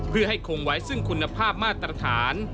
เพื่อให้คงไว้ซึ่งคุณภาพมาตรฐาน